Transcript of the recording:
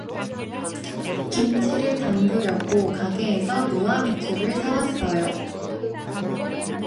김치를 담그려고 가게에서 무와 배추를 사 왔어요.